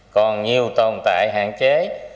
còn nhiều tồn tại hạn chế